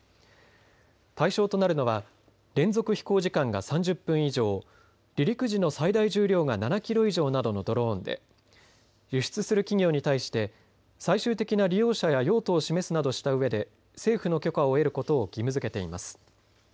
対象となるのは連続飛行時間が３０分以上、離陸時の最大重量が７キロ以上などのドローンで輸出する企業に対して最終的な利用者や用途を示すなどしたうえで政府の許可を得ることを義務づけています。